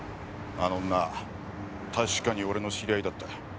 あの女確かに俺の知り合いだった。